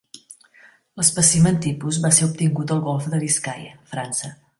L'espècimen tipus va ser obtingut al Golf de Biscaia, França.